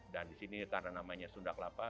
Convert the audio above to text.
dan disini karena namanya sunda kelapa